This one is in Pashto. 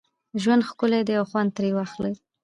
ژوند ښکلی دی او خوند ترې واخله